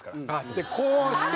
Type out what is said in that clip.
でこうして。